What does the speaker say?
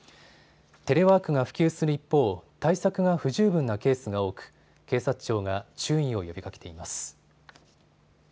テレワークが普及する一方、対策が不十分なケースが多く警察庁が注意を呼びかけています。